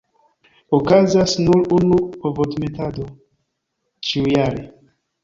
Okazas nur unu ovodemetado ĉiujare.